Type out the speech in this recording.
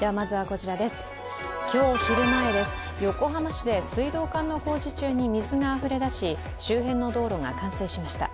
今日昼前、横浜市で水道管の工事中に水があふれ出し周辺の道路が冠水しました。